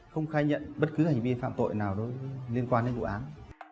không khai nhận bất cứ hành vi phạm tội nào liên quan đến vụ án